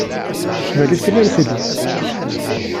S teqbaylit kan ara tili.